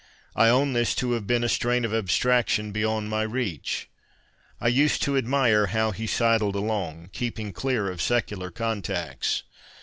I own this to have been a strain of abstraction beyond my reach. I used to admire how he sidled along, keeping clear of secular contacts.